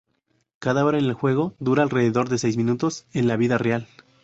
Cada hora en el juego, dura alrededor de seis minutos en la vida real.